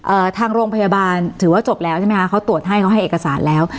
ทางโรงพยาบาลถือว่าจบแล้วใช่ไหมคะเขาตรวจให้เขาให้เอกสารแล้ว